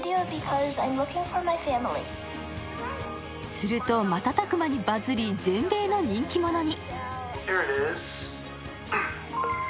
すると、瞬く間にバズり、全米の人気者に。